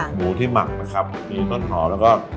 หมูที่หมักบริมลดฮอล์